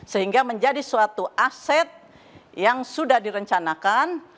sehingga menjadi suatu aset yang sudah direncanakan